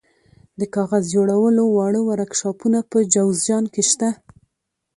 د کاغذ جوړولو واړه ورکشاپونه په جوزجان کې شته.